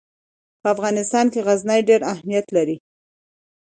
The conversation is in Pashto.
په افغانستان کې غزني ډېر اهمیت لري.